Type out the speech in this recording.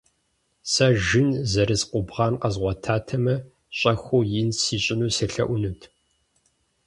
Сэ жин зэрыс къубгъан къэзгъуэтатэмэ, щӏэхыу ин сищӏыну селъэӏунут.